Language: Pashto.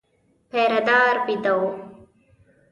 پيره دار وېده و.